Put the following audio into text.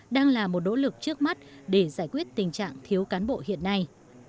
đang là một nỗ lực trước mắt để giải quyết tình trạng thiếu cán bộ hiện nay